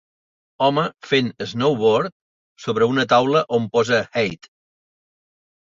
Home fent snowboard sobre una taula on posa HATE.